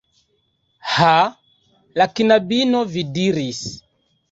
Ha? La knabino, vi diris